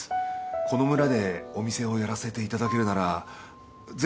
この村でお店をやらせていただけるならぜひ